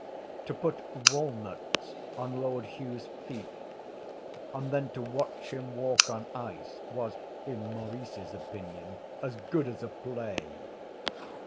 To put walnuts on Lord Hugh's feet and then to watch him walk on ice was, in Maurice's opinion, as good as a play.